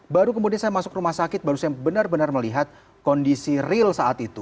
baru kemudian saya masuk rumah sakit baru saya benar benar melihat kondisi real saat itu